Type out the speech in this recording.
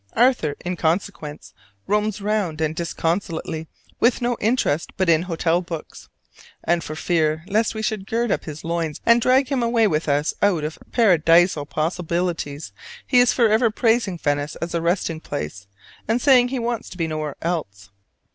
Arthur, in consequence, roams round disconsolately with no interest but in hotel books. And for fear lest we should gird up his loins and drag him away with us out of Paradisal possibilities, he is forever praising Venice as a resting place, and saying he wants to be nowhere else.